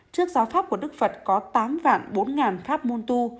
trước giáo pháp của đức phật có tám vạn bốn ngàn pháp môn tu